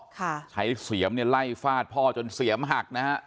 ใช้เสียมไล่ฟาดพ่อจนเสียมหักนะครับ